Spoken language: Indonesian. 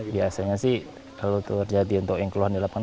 biasanya sih kalau terjadi untuk yang keluhan di lapangan